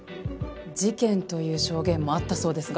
事件という証言もあったそうですが？